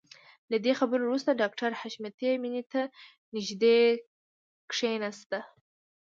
له دې خبرو وروسته ډاکټر حشمتي مينې ته نږدې کښېناست.